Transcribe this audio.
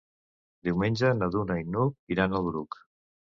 Diumenge na Duna i n'Hug iran al Bruc.